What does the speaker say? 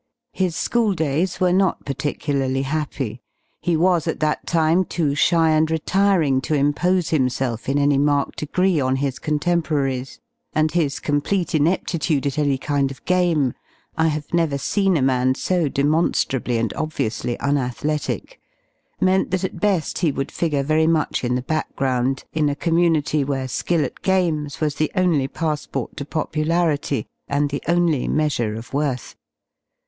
His school days zvere not particularly happy. He was at that time too shy and retiring to impose hin^elfm any marked degree on Jips Contemporaries y and his complete ineptitude at any kind of game —/ have never seen a man so demonSirahly and ohviously unathletic^^meant that at be§i he would figure very much in the background in a community where skill at games was the only passport to popularity and the only measure of worth.